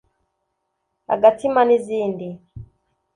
‘Agatima’ n’izindi